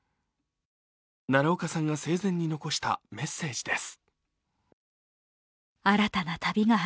奈良岡さんが生前に残したメッセージです。